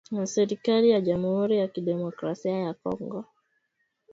na serikali ya jamhuri ya kidemokrasia ya Kongo